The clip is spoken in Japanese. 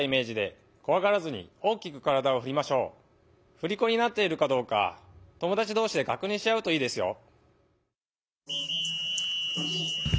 ふりこになっているかどうか友だちどうしでかくにんしあうといいですよ。